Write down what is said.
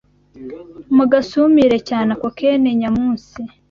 Mugasumire cyane Ako kene-nyamunsi